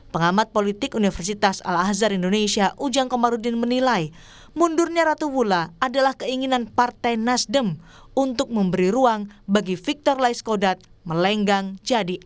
pengamat politik universitas al azhar indonesia ujang komarudin menilai mundurnya ratu mula adalah keinginan partai nasdem untuk memberi ruang bagi victor laiskodat melenggang jadi